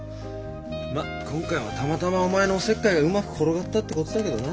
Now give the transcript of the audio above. まあ今回はたまたまお前のおせっかいがうまく転がったってことだけどな。